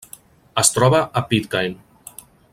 Es troba a Pitcairn.